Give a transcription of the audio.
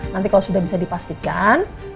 nanti kalau sudah bisa dipastikan